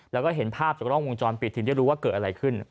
แล้วก็เห็นภาพจากกล้องวงจรปิดถึงได้รู้ว่าเกิดอะไรขึ้น